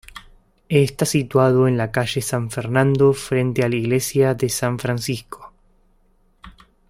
Está situado en la calle San Fernando, frente a la Iglesia de San Francisco.